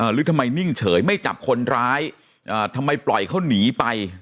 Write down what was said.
หรือทำไมนิ่งเฉยไม่จับคนร้ายทำไมปล่อยเขาหนีไป